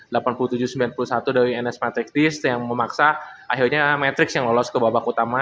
delapan puluh tujuh sembilan puluh satu dari ns metric dears yang memaksa akhirnya metric yang lolos ke babak utama